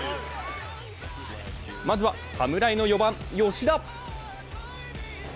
まずは侍の４番・吉田。